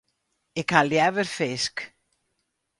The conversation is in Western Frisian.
Ik ha leaver fisk.